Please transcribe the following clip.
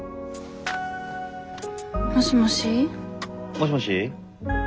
もしもし。